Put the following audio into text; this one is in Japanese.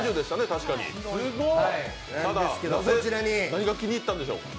何が気に入ったんでしょうか。